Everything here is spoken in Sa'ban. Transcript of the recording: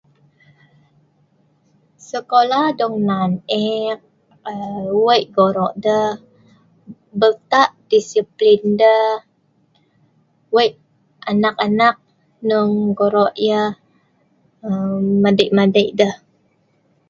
Sekolah dong nan ek, eee wei' goro' deh, beltah disiplin deh, wei' anak-anak hnong wei' goro' madei'- madei' deh.